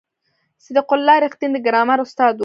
صدیق الله رښتین د ګرامر استاد و.